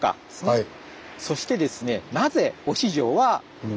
はい。